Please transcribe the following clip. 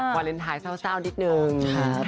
เพลงคือนะครับวาเลนไทยเศร้านิดหนึ่ง